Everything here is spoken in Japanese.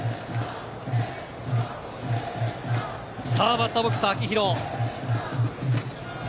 バッターボックスは秋広。